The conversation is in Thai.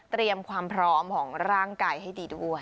เตรียมความพร้อมของร่างกายให้ดีด้วย